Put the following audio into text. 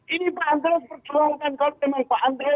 ini pak andre berjuangkan kalau memang pak andre